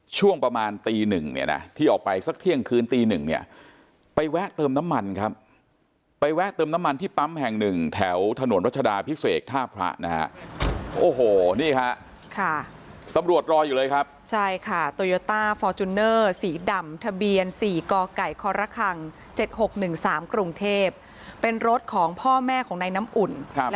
ช่วงประมาณตีหนึ่งเนี่ยนะที่ออกไปสักเที่ยงคืนตีหนึ่งเนี่ยไปแวะเติมน้ำมันครับไปแวะเติมน้ำมันที่ปั๊มแห่งหนึ่งแถวถนนรัชดาพิเศษท่าพระนะฮะโอ้โหนี่ฮะค่ะตำรวจรออยู่เลยครับใช่ค่ะโตโยต้าฟอร์จูเนอร์สีดำทะเบียน๔กไก่ครคัง๗๖๑๓กรุงเทพเป็นรถของพ่อแม่ของนายน้ำอุ่น